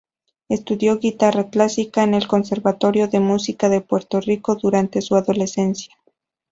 Estudio guitarra clásica en el Conservatorio de Música de Puerto Rico durante su adolescencia.